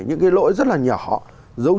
những cái lỗi rất là nhỏ dấu chân